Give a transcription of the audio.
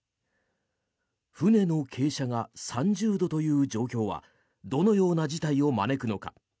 船の傾斜が３０度という状況はどのような事態を招くのか。